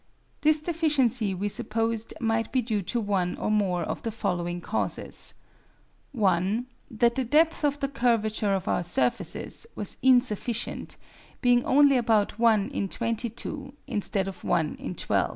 This deficiency we supposed might be due to one or more of the following causes: (1) That the depth of the curvature of our surfaces was insufficient, being only about one in 22, instead of one in 12.